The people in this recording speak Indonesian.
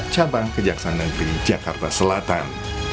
cabang kejaksaan negeri jakarta selatan